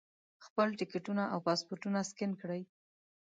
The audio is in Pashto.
خپل ټکټونه او پاسپورټونه سکین کړي.